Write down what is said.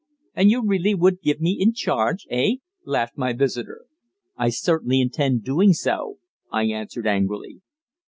"And you really would give me in charge eh?" laughed my visitor. "I certainly intend doing so," I answered angrily.